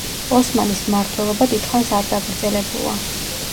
ოსმანის მმართველობა დიდხანს არ გაგრძელებულა.